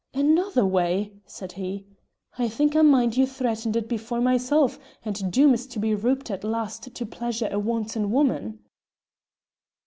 "Another way," said he. "I think I mind you threatened it before myself, and Doom is to be rouped at last to pleasure a wanton woman."